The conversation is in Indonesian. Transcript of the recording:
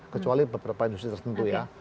kecuali beberapa industri tertentu ya